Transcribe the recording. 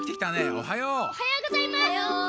おはようございます。